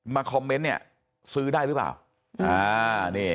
มาคอมเมนต์เนี่ยซื้อได้หรือเปล่าอ่านี่